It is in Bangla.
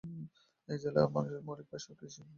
এই জেলার মানুষের মৌলিক পেশা কৃষি।